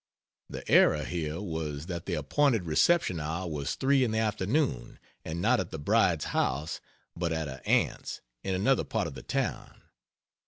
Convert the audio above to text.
The error here was, that the appointed reception hour was 3 in the afternoon, and not at the bride's house but at her aunt's in another part of the town.